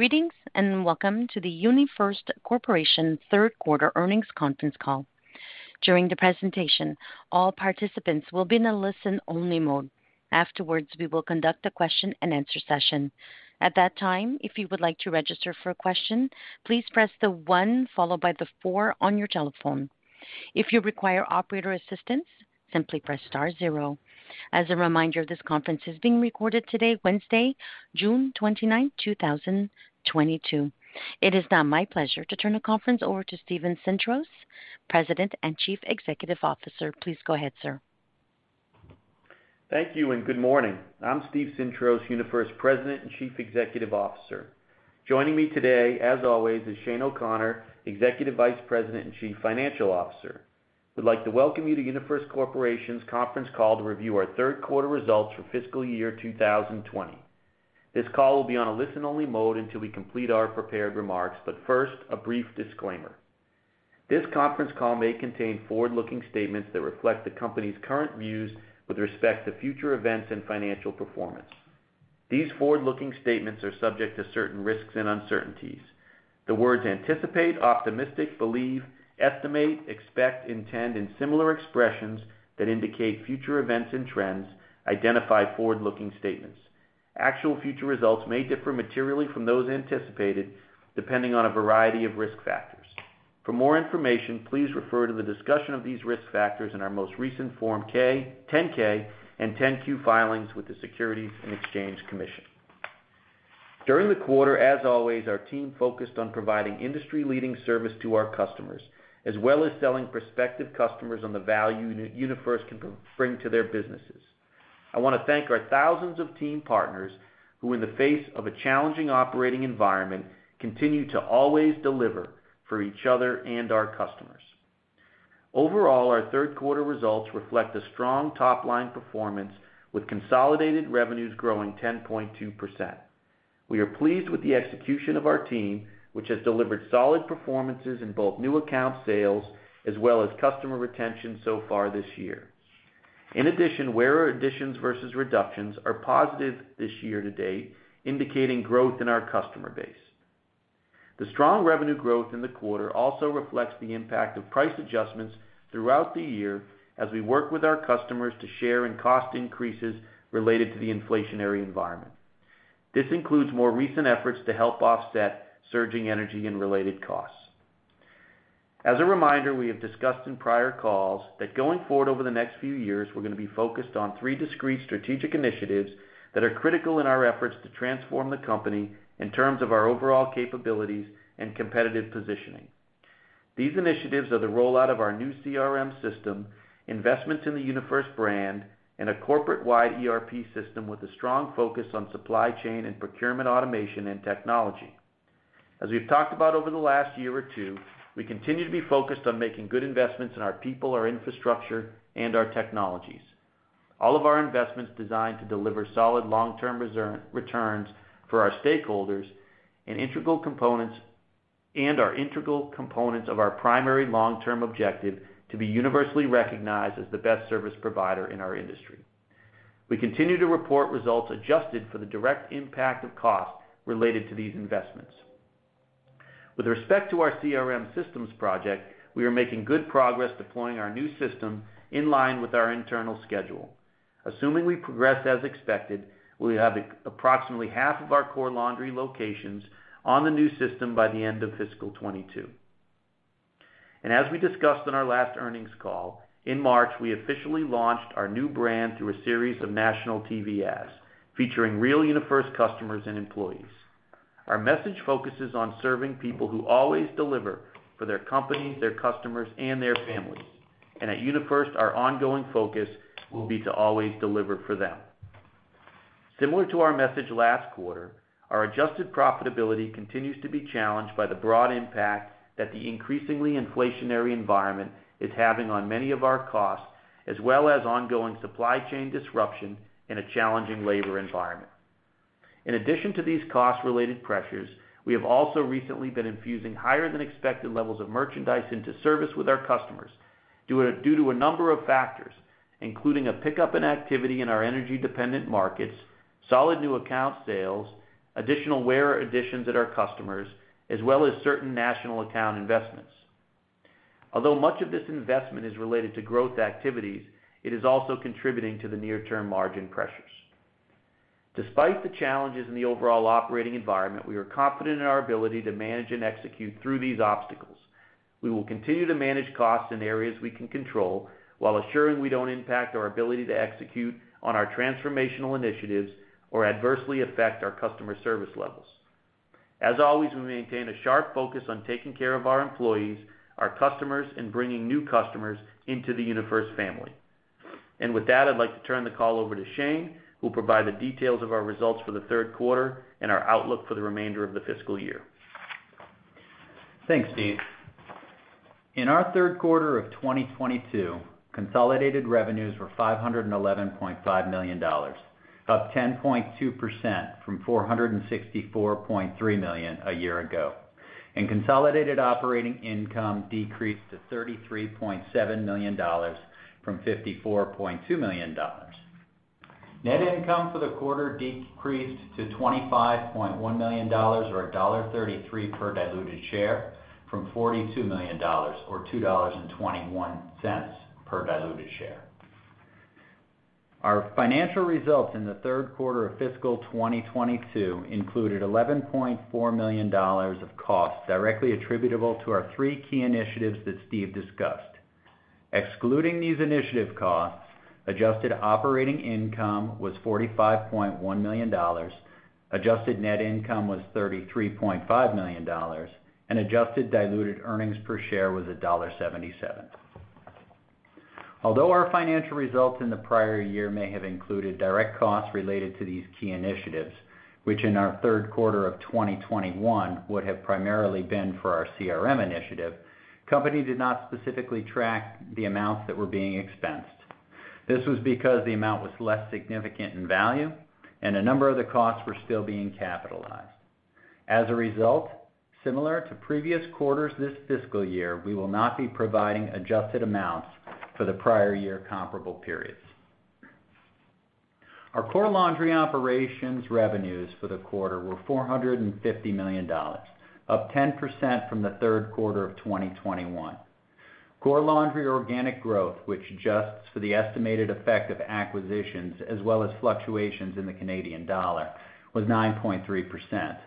Greetings, and welcome to the UniFirst Corporation third quarter earnings conference call. During the presentation, all participants will be in a listen-only mode. Afterwards, we will conduct a question-and-answer session. At that time, if you would like to register for a question, please press the one followed by the four on your telephone. If you require operator assistance, simply press star zero. As a reminder, this conference is being recorded today, Wednesday, June twenty-ninth, two thousand twenty-two. It is now my pleasure to turn the conference over to Steven Sintros, President and Chief Executive Officer. Please go ahead, sir. Thank you, and good morning. I'm Steven Sintros, UniFirst President and Chief Executive Officer. Joining me today, as always, is Shane O'Connor, Executive Vice President and Chief Financial Officer. We'd like to welcome you to UniFirst Corporation's conference call to review our third quarter results for fiscal year 2020. This call will be on a listen-only mode until we complete our prepared remarks, but first, a brief disclaimer. This conference call may contain forward-looking statements that reflect the company's current views with respect to future events and financial performance. These forward-looking statements are subject to certain risks and uncertainties. The words anticipate, optimistic, believe, estimate, expect, intend, and similar expressions that indicate future events and trends identify forward-looking statements. Actual future results may differ materially from those anticipated, depending on a variety of risk factors. For more information, please refer to the discussion of these risk factors in our most recent Form 10-K and Form 10-Q filings with the Securities and Exchange Commission. During the quarter, as always, our team focused on providing industry-leading service to our customers, as well as selling prospective customers on the value UniFirst can bring to their businesses. I wanna thank our thousands of team partners who, in the face of a challenging operating environment, continue to always deliver for each other and our customers. Overall, our third quarter results reflect a strong top-line performance with consolidated revenues growing 10.2%. We are pleased with the execution of our team, which has delivered solid performances in both new account sales as well as customer retention so far this year. In addition, wearer additions versus reductions are positive this year to date, indicating growth in our customer base. The strong revenue growth in the quarter also reflects the impact of price adjustments throughout the year as we work with our customers to share in cost increases related to the inflationary environment. This includes more recent efforts to help offset surging energy and related costs. As a reminder, we have discussed in prior calls that going forward over the next few years, we're gonna be focused on three discrete strategic initiatives that are critical in our efforts to transform the company in terms of our overall capabilities and competitive positioning. These initiatives are the rollout of our new CRM system, investments in the UniFirst brand, and a corporate-wide ERP system with a strong focus on supply chain and procurement automation and technology. As we've talked about over the last year or two, we continue to be focused on making good investments in our people, our infrastructure, and our technologies. All of our investments designed to deliver solid long-term returns for our stakeholders and are integral components of our primary long-term objective to be universally recognized as the best service provider in our industry. We continue to report results adjusted for the direct impact of costs related to these investments. With respect to our CRM systems project, we are making good progress deploying our new system in line with our internal schedule. Assuming we progress as expected, we'll have approximately half of our core laundry locations on the new system by the end of fiscal 2022. As we discussed on our last earnings call, in March, we officially launched our new brand through a series of national TV ads featuring real UniFirst customers and employees. Our message focuses on serving people who always deliver for their companies, their customers, and their families. At UniFirst, our ongoing focus will be to always deliver for them. Similar to our message last quarter, our adjusted profitability continues to be challenged by the broad impact that the increasingly inflationary environment is having on many of our costs, as well as ongoing supply chain disruption in a challenging labor environment. In addition to these cost-related pressures, we have also recently been infusing higher than expected levels of merchandise into service with our customers due to a number of factors, including a pickup in activity in our energy-dependent markets, solid new account sales, additional wearer additions at our customers, as well as certain national account investments. Although much of this investment is related to growth activities, it is also contributing to the near-term margin pressures. Despite the challenges in the overall operating environment, we are confident in our ability to manage and execute through these obstacles. We will continue to manage costs in areas we can control while assuring we don't impact our ability to execute on our transformational initiatives or adversely affect our customer service levels. As always, we maintain a sharp focus on taking care of our employees, our customers, and bringing new customers into the UniFirst family. With that, I'd like to turn the call over to Shane, who'll provide the details of our results for the third quarter and our outlook for the remainder of the fiscal year. Thanks, Steve. In our third quarter of 2022, consolidated revenues were $511.5 million, up 10.2% from $464.3 million a year ago. Consolidated operating income decreased to $33.7 million from $54.2 million. Net income for the quarter decreased to $25.1 million, or $1.33 per diluted share, from $42 million, or $2.21 per diluted share. Our financial results in the third quarter of fiscal 2022 included $11.4 million of costs directly attributable to our three key initiatives that Steve discussed. Excluding these initiative costs, adjusted operating income was $45.1 million, adjusted net income was $33.5 million, and adjusted diluted earnings per share was $1.77. Although our financial results in the prior year may have included direct costs related to these key initiatives, which in our third quarter of 2021 would have primarily been for our CRM initiative, Company did not specifically track the amounts that were being expensed. This was because the amount was less significant in value and a number of the costs were still being capitalized. As a result, similar to previous quarters this fiscal year, we will not be providing adjusted amounts for the prior year comparable periods. Our Core Laundry Operations revenues for the quarter were $450 million, up 10% from the third quarter of 2021. Core Laundry organic growth, which adjusts for the estimated effect of acquisitions as well as fluctuations in the Canadian dollar, was 9.3%.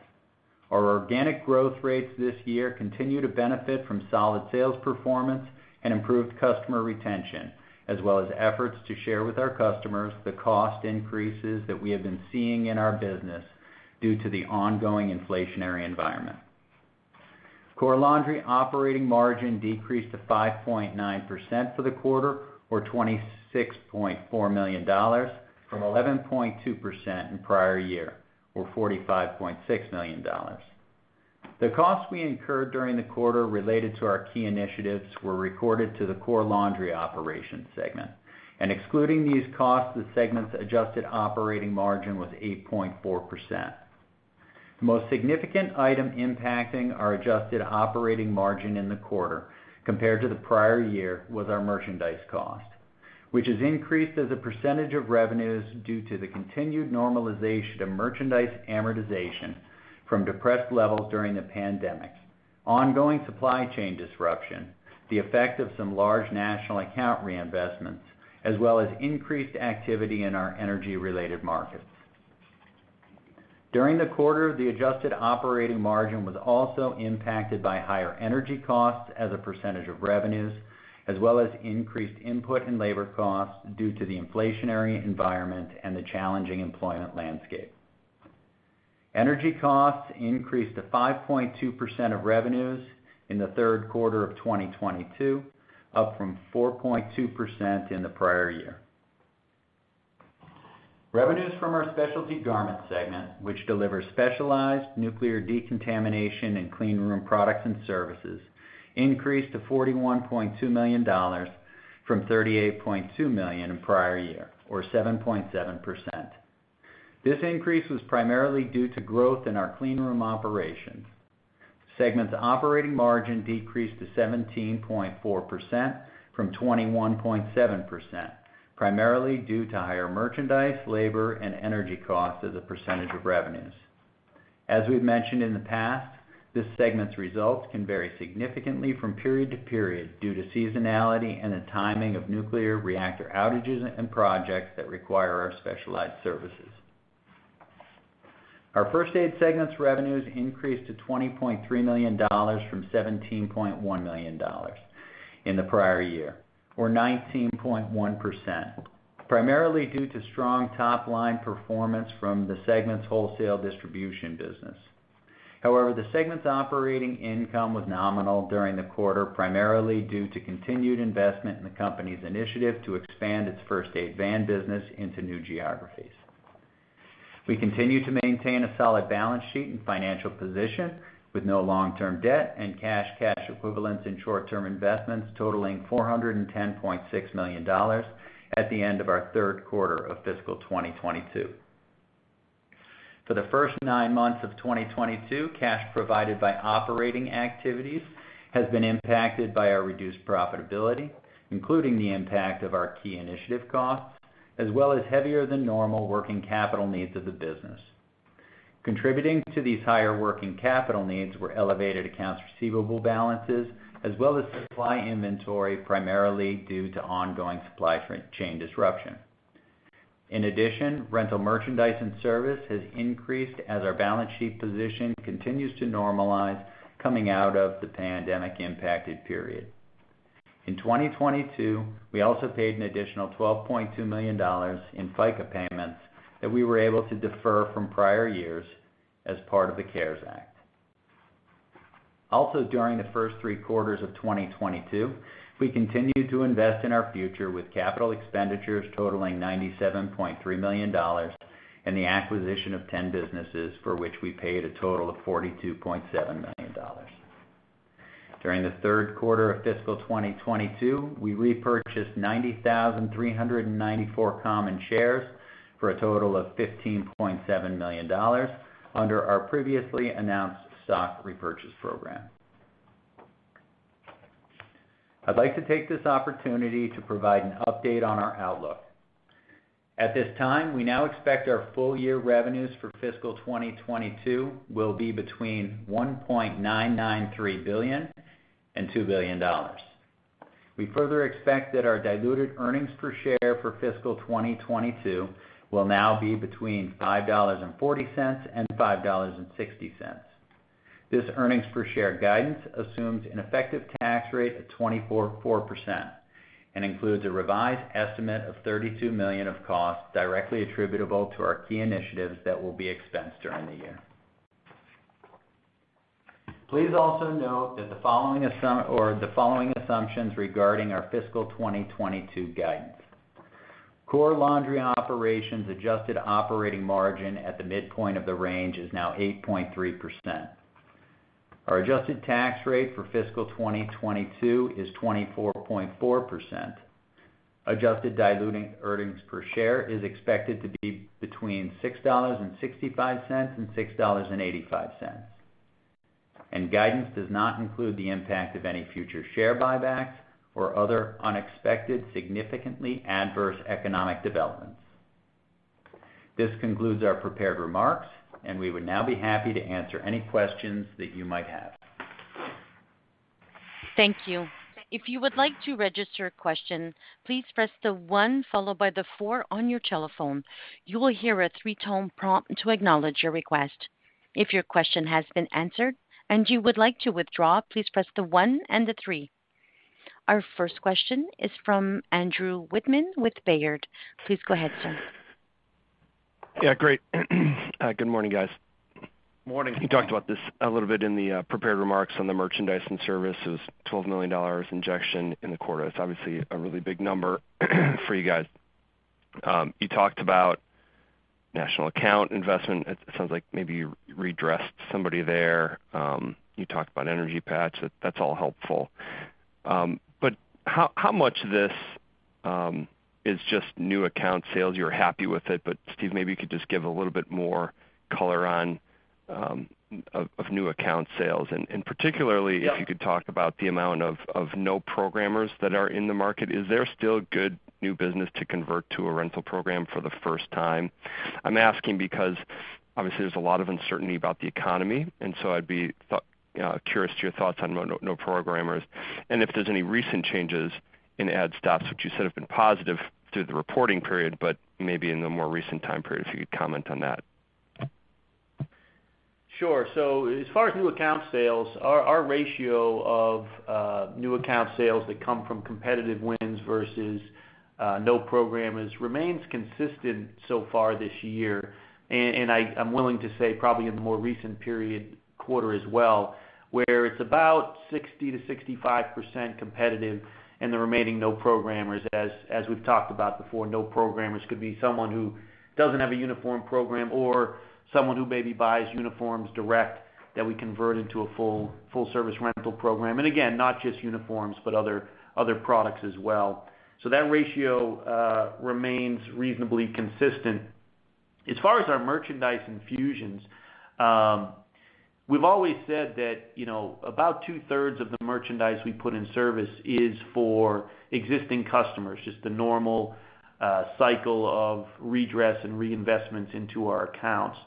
Our organic growth rates this year continue to benefit from solid sales performance and improved customer retention, as well as efforts to share with our customers the cost increases that we have been seeing in our business due to the ongoing inflationary environment. Core Laundry Operations operating margin decreased to 5.9% for the quarter, or $26.4 million, from 11.2% in prior year, or $45.6 million. The costs we incurred during the quarter related to our key initiatives were recorded to the Core Laundry Operations segment. Excluding these costs, the segment's adjusted operating margin was 8.4%. The most significant item impacting our adjusted operating margin in the quarter compared to the prior year was our merchandise cost, which has increased as a percentage of revenues due to the continued normalization of merchandise amortization from depressed levels during the pandemic, ongoing supply chain disruption, the effect of some large national account reinvestments, as well as increased activity in our energy-related markets. During the quarter, the adjusted operating margin was also impacted by higher energy costs as a percentage of revenues, as well as increase in labor costs due to the inflationary environment and the challenging employment landscape. Energy costs increased to 5.2% of revenues in the third quarter of 2022, up from 4.2% in the prior year. Revenues from our Specialty Garments segment, which delivers specialized nuclear decontamination and cleanroom products and services, increased to $41.2 million from $38.2 million in prior year, or 7.7%. This increase was primarily due to growth in our cleanroom operations. Segment's operating margin decreased to 17.4% from 21.7%, primarily due to higher merchandise, labor, and energy costs as a percentage of revenues. As we've mentioned in the past, this segment's results can vary significantly from period to period due to seasonality and the timing of nuclear reactor outages and projects that require our specialized services. Our First Aid segment's revenues increased to $20.3 million from $17.1 million in the prior year, or 19.1%, primarily due to strong top line performance from the segment's wholesale distribution business. However, the segment's operating income was nominal during the quarter, primarily due to continued investment in the company's initiative to expand its First Aid van business into new geographies. We continue to maintain a solid balance sheet and financial position with no long-term debt and cash equivalents, and short-term investments totaling $410.6 million at the end of our third quarter of fiscal 2022. For the first nine months of 2022, cash provided by operating activities has been impacted by our reduced profitability, including the impact of our key initiative costs, as well as heavier than normal working capital needs of the business. Contributing to these higher working capital needs were elevated accounts receivable balances as well as supply inventory, primarily due to ongoing supply chain disruption. In addition, rental merchandise and service has increased as our balance sheet position continues to normalize coming out of the pandemic-impacted period. In 2022, we also paid an additional $12.2 million in FICA payments that we were able to defer from prior years as part of the CARES Act. Also during the first three quarters of 2022, we continued to invest in our future with capital expenditures totaling $97.3 million and the acquisition of 10 businesses for which we paid a total of $42.7 million. During the third quarter of fiscal 2022, we repurchased 90,394 common shares for a total of $15.7 million under our previously announced stock repurchase program. I'd like to take this opportunity to provide an update on our outlook. At this time, we now expect our full-year revenues for fiscal 2022 will be between $1.993 billion and $2 billion. We further expect that our diluted earnings per share for fiscal 2022 will now be between $5.40 and $5.60. This earnings per share guidance assumes an effective tax rate of 24.4% and includes a revised estimate of $32 million of costs directly attributable to our key initiatives that will be expensed during the year. Please also note that the following assumptions regarding our fiscal 2022 guidance. Core Laundry Operations adjusted operating margin at the midpoint of the range is now 8.3%. Our adjusted tax rate for fiscal 2022 is 24.4%. Adjusted diluted earnings per share is expected to be between $6.65 and $6.85. Guidance does not include the impact of any future share buybacks or other unexpected, significantly adverse economic developments. This concludes our prepared remarks, and we would now be happy to answer any questions that you might have. Thank you. If you would like to register a question, please press the one followed by the four on your telephone. You will hear a three-tone prompt to acknowledge your request. If your question has been answered and you would like to withdraw, please press the one and the three. Our first question is from Andrew Wittmann with Baird. Please go ahead, sir. Yeah, great. Good morning, guys. Morning. You talked about this a little bit in the prepared remarks on the merchandise and services, $12 million injection in the quarter. It's obviously a really big number for you guys. You talked about national account investment. It sounds like maybe you addressed somebody there. You talked about energy patch. That's all helpful. But how much of this is just new account sales? You're happy with it, but Steve, maybe you could just give a little bit more color on of new account sales. And particularly- Yeah. If you could talk about the amount of non-programmers that are in the market, is there still good new business to convert to a rental program for the first time? I'm asking because obviously there's a lot of uncertainty about the economy, and so I'd be, I thought, curious to your thoughts on non-programmers, and if there's any recent changes in add stops, which you said have been positive through the reporting period, but maybe in the more recent time period, if you could comment on that. Sure. As far as new account sales, our ratio of new account sales that come from competitive wins versus no program remains consistent so far this year. I'm willing to say probably in the more recent period quarter as well, where it's about 60%-65% competitive and the remaining no programmers. We've talked about before, no programmers could be someone who doesn't have a uniform program or someone who maybe buys uniforms direct that we converted to a full service rental program. Again, not just uniforms, but other products as well. That ratio remains reasonably consistent. As far as our merchandise infusions, we've always said that, you know, about two-thirds of the merchandise we put in service is for existing customers, just the normal cycle of redress and reinvestments into our accounts.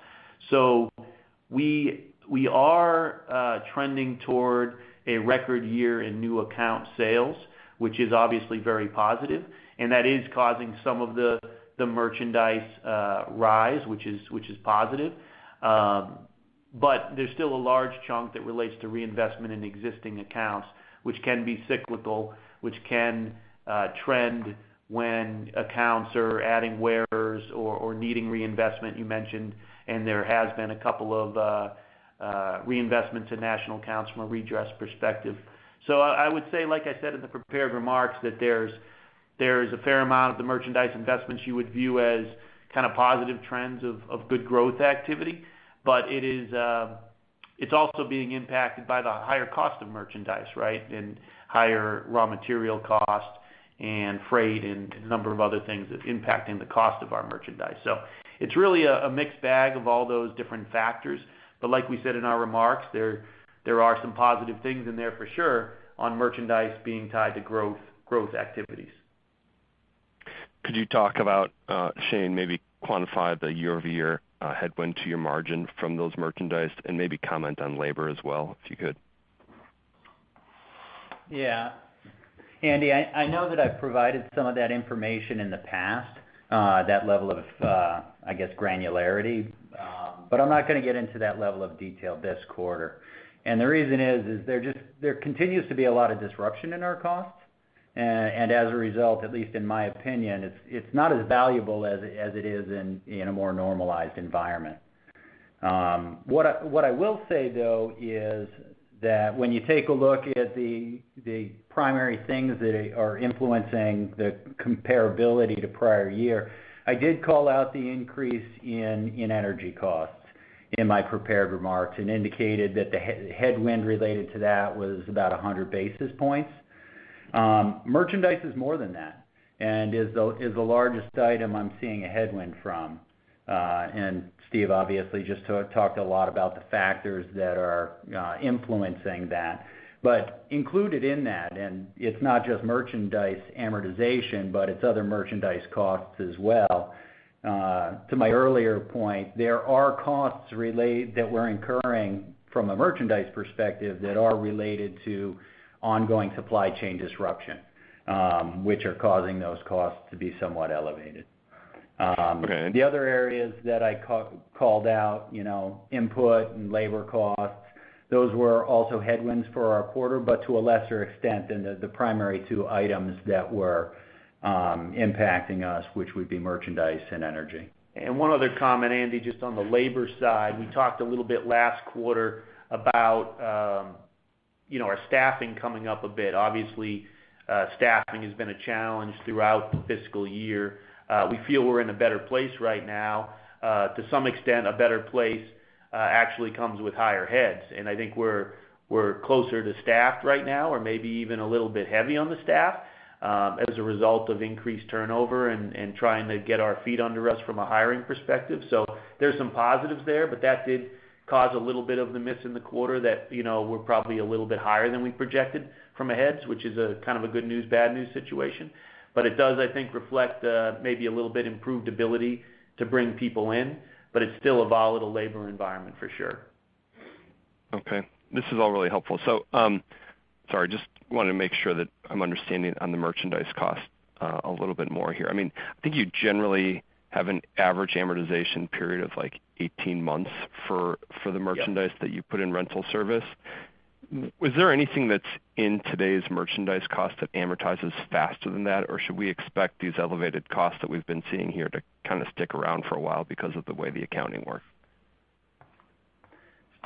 We are trending toward a record year in new account sales, which is obviously very positive, and that is causing some of the merchandise rise, which is positive. There's still a large chunk that relates to reinvestment in existing accounts, which can be cyclical, which can trend when accounts are adding wearers or needing reinvestment, you mentioned. There has been a couple of reinvestment to national accounts from a redress perspective. I would say, like I said in the prepared remarks, that there's a fair amount of the merchandise investments you would view as kind of positive trends of good growth activity. It's also being impacted by the higher cost of merchandise, right? Higher raw material costs and freight and a number of other things impacting the cost of our merchandise. It's really a mixed bag of all those different factors. Like we said in our remarks, there are some positive things in there for sure on merchandise being tied to growth activities. Could you talk about, Shane, maybe quantify the year-over-year headwind to your margin from those merchandise and maybe comment on labor as well, if you could? Yeah. Andy, I know that I've provided some of that information in the past, that level of, I guess, granularity. I'm not gonna get into that level of detail this quarter. The reason is there continues to be a lot of disruption in our costs. As a result, at least in my opinion, it's not as valuable as it is in a more normalized environment. What I will say, though, is that when you take a look at the primary things that are influencing the comparability to prior year, I did call out the increase in energy costs in my prepared remarks and indicated that the headwind related to that was about 100 basis points. Merchandise is more than that, and is the largest item I'm seeing a headwind from. Steve obviously just talked a lot about the factors that are influencing that. Included in that, it's not just merchandise amortization, but it's other merchandise costs as well. To my earlier point, there are costs that we're incurring from a merchandise perspective that are related to ongoing supply chain disruption, which are causing those costs to be somewhat elevated. Okay. The other areas that I called out, you know, input and labor costs, those were also headwinds for our quarter, but to a lesser extent than the primary two items that were impacting us, which would be merchandise and energy. One other comment, Andy, just on the labor side. We talked a little bit last quarter about, you know, our staffing coming up a bit. Obviously, staffing has been a challenge throughout the fiscal year. We feel we're in a better place right now. To some extent, a better place actually comes with higher heads. I think we're closer to staffed right now or maybe even a little bit heavy on the staff, as a result of increased turnover and trying to get our feet under us from a hiring perspective. There's some positives there, but that did cause a little bit of the miss in the quarter that, you know, we're probably a little bit higher than we projected from a heads, which is a kind of a good news, bad news situation. It does, I think, reflect maybe a little bit improved ability to bring people in, but it's still a volatile labor environment for sure. Okay. This is all really helpful. Sorry, just wanted to make sure that I'm understanding on the merchandise cost, a little bit more here. I mean, I think you generally have an average amortization period of, like, 18 months for the- Yeah merchandise that you put in rental service. Was there anything that's in today's merchandise cost that amortizes faster than that? Or should we expect these elevated costs that we've been seeing here to kind of stick around for a while because of the way the accounting works?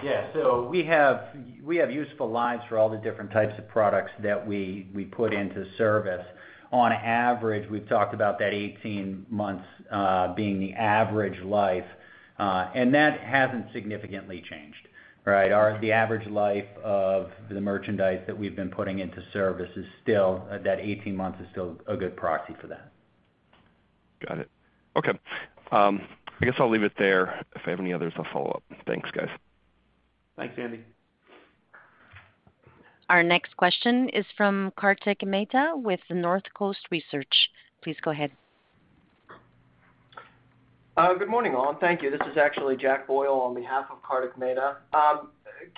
Yeah. We have useful lives for all the different types of products that we put into service. On average, we've talked about that 18 months being the average life, and that hasn't significantly changed, right? The average life of the merchandise that we've been putting into service is still, that 18 months is still a good proxy for that. Got it. Okay. I guess I'll leave it there. If I have any others, I'll follow up. Thanks, guys. Thanks, Andy. Our next question is from Kartik Mehta with Northcoast Research. Please go ahead. Good morning, all. Thank you. This is actually Jack Boyle on behalf of Kartik Mehta.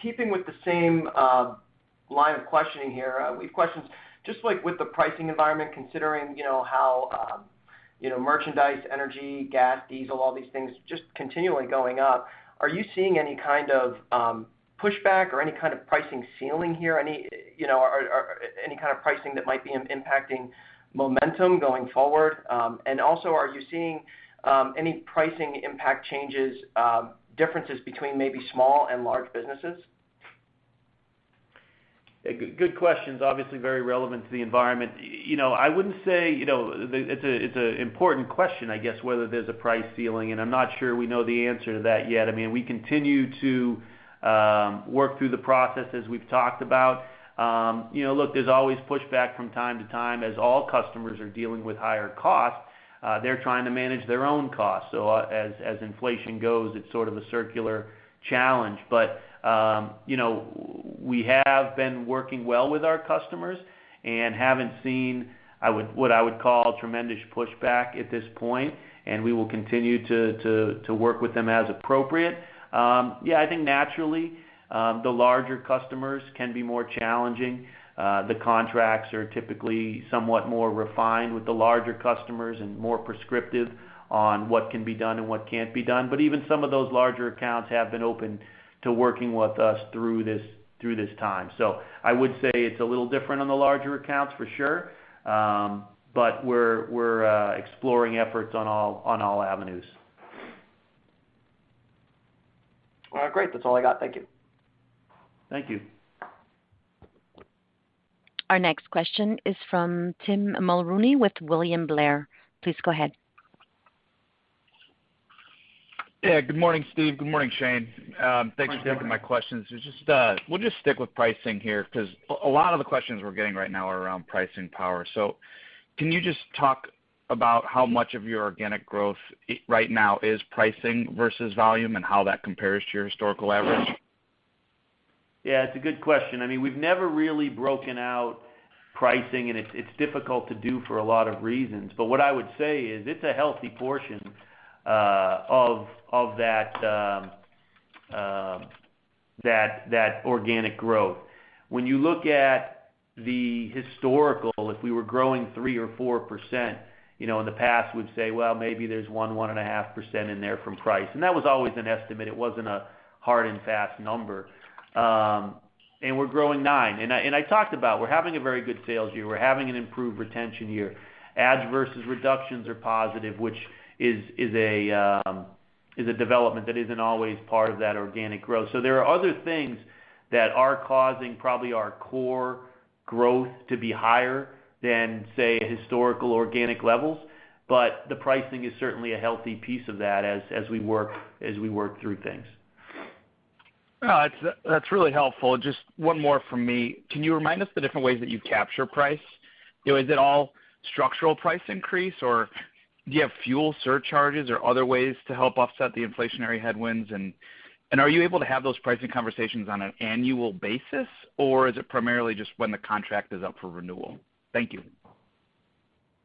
Keeping with the same line of questioning here, we've questions just like with the pricing environment, considering, you know, how, you know, merchandise, energy, gas, diesel, all these things just continually going up. Are you seeing any kind of pushback or any kind of pricing ceiling here? Any, you know, or any kind of pricing that might be impacting momentum going forward? Are you seeing any pricing impact changes, differences between maybe small and large businesses? Yeah. Good questions. Obviously very relevant to the environment. You know, I wouldn't say, you know, it's an important question, I guess, whether there's a price ceiling, and I'm not sure we know the answer to that yet. I mean, we continue to work through the process as we've talked about. You know, look, there's always pushback from time to time. All customers are dealing with higher costs, they're trying to manage their own costs. As inflation goes, it's sort of a circular challenge. You know, we have been working well with our customers and haven't seen what I would call tremendous pushback at this point, and we will continue to work with them as appropriate. Yeah, I think naturally, the larger customers can be more challenging. The contracts are typically somewhat more refined with the larger customers and more prescriptive on what can be done and what can't be done. Even some of those larger accounts have been open to working with us through this time. I would say it's a little different on the larger accounts for sure. We're exploring efforts on all avenues. All right, great. That's all I got. Thank you. Thank you. Our next question is from Tim Mulrooney with William Blair. Please go ahead. Yeah. Good morning, Steve. Good morning, Shane. Good morning, Tim. Thanks for taking my questions. Just, we'll just stick with pricing here because a lot of the questions we're getting right now are around pricing power. Can you just talk about how much of your organic growth right now is pricing versus volume and how that compares to your historical average? Yeah, it's a good question. I mean, we've never really broken out pricing, and it's difficult to do for a lot of reasons. What I would say is it's a healthy portion of that organic growth. When you look at the historical, if we were growing 3% or 4%, you know, in the past we'd say, "Well, maybe there's 1.5% in there from price." That was always an estimate. It wasn't a hard and fast number. We're growing 9%. I talked about we're having a very good sales year. We're having an improved retention year. Adds versus reductions are positive, which is a development that isn't always part of that organic growth. There are other things that are causing probably our core growth to be higher than, say, historical organic levels. The pricing is certainly a healthy piece of that as we work through things. No, that's really helpful. Just one more from me. Can you remind us the different ways that you capture price? You know, is it all structural price increase, or do you have fuel surcharges or other ways to help offset the inflationary headwinds? And are you able to have those pricing conversations on an annual basis, or is it primarily just when the contract is up for renewal? Thank you.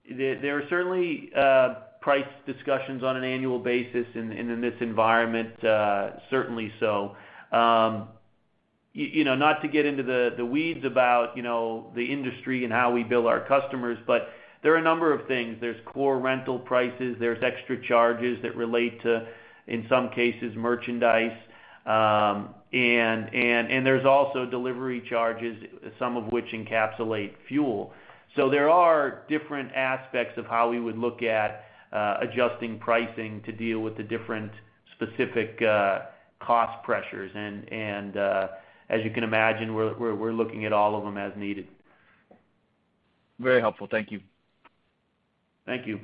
There are certainly price discussions on an annual basis, and in this environment, certainly so. You know, not to get into the weeds about, you know, the industry and how we bill our customers, but there are a number of things. There's core rental prices, there's extra charges that relate to, in some cases, merchandise. There's also delivery charges, some of which encapsulate fuel. There are different aspects of how we would look at adjusting pricing to deal with the different specific cost pressures. As you can imagine, we're looking at all of them as needed. Very helpful. Thank you. Thank you.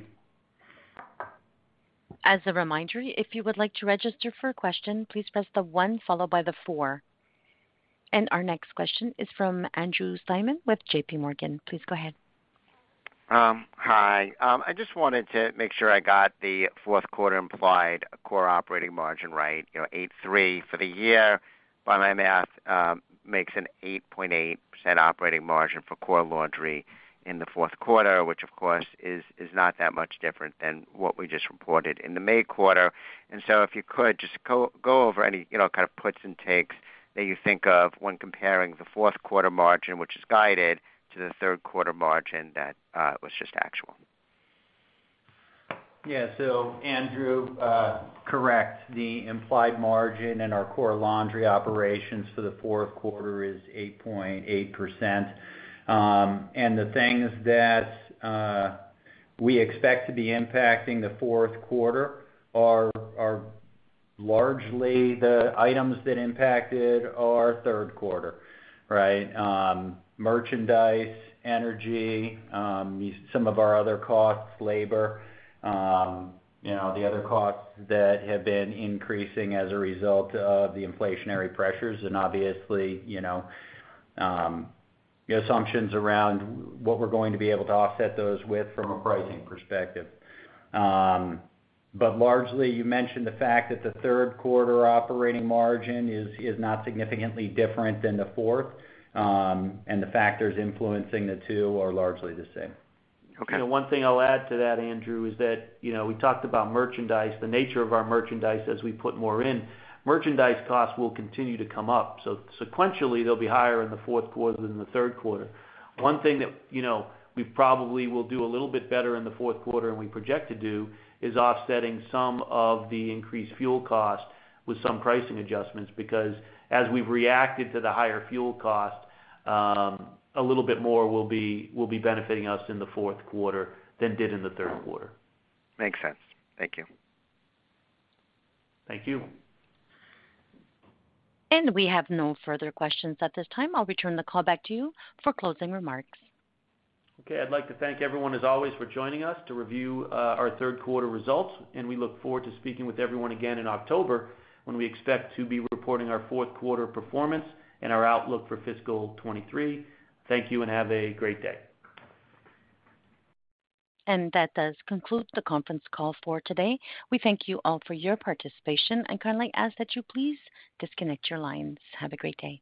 As a reminder, if you would like to register for a question, please press the one followed by the four. Our next question is from Andrew Steinerman with J.P. Morgan. Please go ahead. Hi. I just wanted to make sure I got the fourth quarter implied core operating margin right. You know, 8.3% for the year, by my math, makes an 8.8% operating margin for Core Laundry in the fourth quarter, which of course is not that much different than what we just reported in the May quarter. If you could just go over any, you know, kind of puts and takes that you think of when comparing the fourth quarter margin, which is guided, to the third quarter margin that was just actual. Yeah. Andrew, correct. The implied margin in our Core Laundry Operations for the fourth quarter is 8.8%. The things that we expect to be impacting the fourth quarter are largely the items that impacted our third quarter, right? Merchandise, energy, some of our other costs, labor, you know, the other costs that have been increasing as a result of the inflationary pressures and obviously, you know, the assumptions around what we're going to be able to offset those with from a pricing perspective. Largely, you mentioned the fact that the third quarter operating margin is not significantly different than the fourth, and the factors influencing the two are largely the same. Okay. The one thing I'll add to that, Andrew, is that, you know, we talked about merchandise, the nature of our merchandise as we put more in. Merchandise costs will continue to come up, so sequentially they'll be higher in the fourth quarter than the third quarter. One thing that, you know, we probably will do a little bit better in the fourth quarter and we project to do is offsetting some of the increased fuel cost with some pricing adjustments. Because as we've reacted to the higher fuel cost, a little bit more will be benefiting us in the fourth quarter than did in the third quarter. Makes sense. Thank you. Thank you. We have no further questions at this time. I'll return the call back to you for closing remarks. Okay. I'd like to thank everyone, as always, for joining us to review our third quarter results, and we look forward to speaking with everyone again in October when we expect to be reporting our fourth quarter performance and our outlook for fiscal 2023. Thank you and have a great day. That does conclude the conference call for today. We thank you all for your participation and kindly ask that you please disconnect your lines. Have a great day.